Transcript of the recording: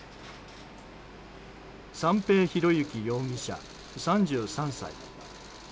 三瓶博幸容疑者、３３歳。